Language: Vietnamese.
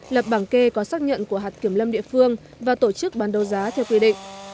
lập bảng kê có xác nhận của hạt kiểm lâm địa phương và tổ chức bán đấu giá theo quy định